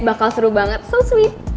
bakal seru banget so sweet